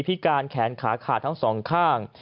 การแขนขาขาดทั้งสองข้าง